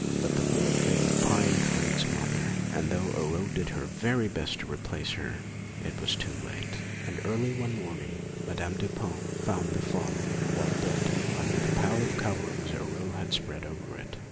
But the little thing pined for its mother, and though Aurore did her very best to replace her, it was too late, and early one morning Madame Dupin found the fawn quite dead under the pile of coverings Aurore had spread over it.